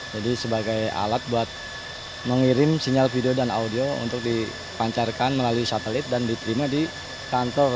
jadi sebagai alat buat mengirim sinyal video dan audio untuk dipancarkan melalui satelit dan diterima di kantor